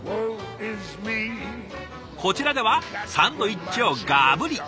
こちらではサンドイッチをがぶり。